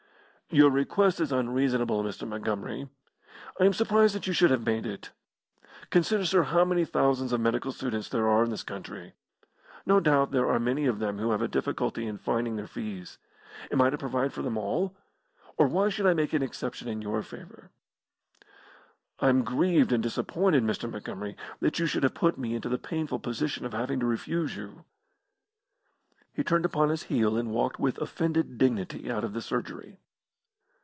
"Your request is unreasonable, Mr. Montgomery. I am surprised that you should have made it. Consider, sir, how many thousands of medical students there are in this country. No doubt there are many of them who have a difficulty in finding their fees. Am I to provide for them all? Or why should I make an exception in your favour? I am grieved and disappointed, Mr. Montgomery, that you should have put me into the painful position of having to refuse you." He turned upon his heel, and walked with offended dignity out of the surgery.